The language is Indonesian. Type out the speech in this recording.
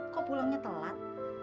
kok pulangnya telat